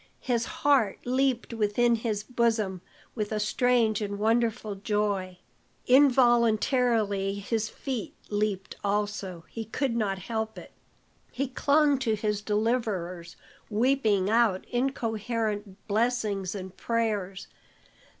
His heart leaped within his bosom with a strange and wonderful joy. Involuntarily his feet leaped also, he could not help it. He clung to his deliverers, weeping out incoherent blessings and prayers.